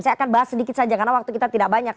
saya akan bahas sedikit saja karena waktu kita tidak banyak